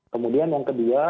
kemudian yang kedua